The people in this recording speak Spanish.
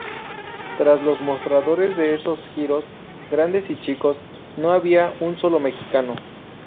Tras los mostradores de esos giros -grandes y chicos- no había un solo mexicano.